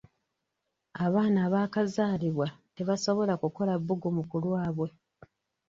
Abaana abaakazalibwa tebasobola kukola bbugumu ku lwabwe.